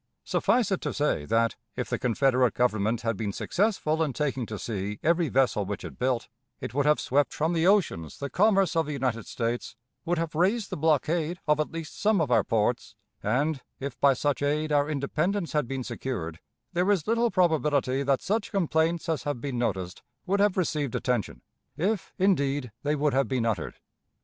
Suffice it to say that, if the Confederate Government had been successful in taking to sea every vessel which it built, it would have swept from the oceans the commerce of the United States, would have raised the blockade of at least some of our ports, and, if by such aid our independence had been secured, there is little probability that such complaints as have been noticed would have received attention, if, indeed, they would have been uttered.